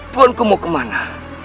tuan ku mau kemana